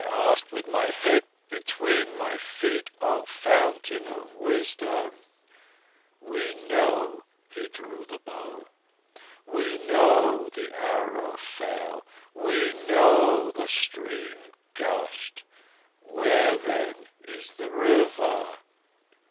I ask with my head between thy feet, O Fountain of Wisdom. We know He drew the bow! We know the arrow fell! We know the stream gushed! Where, then, is the River?